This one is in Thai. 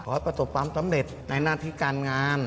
ให้ประสบความสำเร็จในหน้าที่การงาน